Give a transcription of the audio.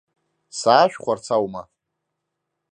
Саашәхәарц аума?